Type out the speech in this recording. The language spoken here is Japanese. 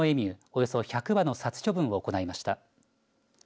およそ１００羽の殺処分を行いました。